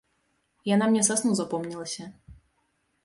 Яна мне са сну запомнілася.